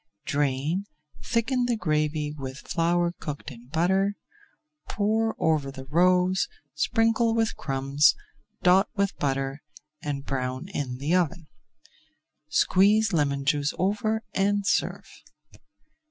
Drain, thicken the gravy with flour cooked in butter, pour over the roes, sprinkle with crumbs, dot with butter, and brown in the oven. Squeeze lemon juice over and serve.